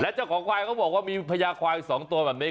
เจ้าของควายเขาบอกว่ามีพญาควาย๒ตัวแบบนี้